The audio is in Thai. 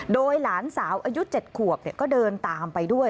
โดยหลานสาวอายุ๗ขวบก็เดินตามไปด้วย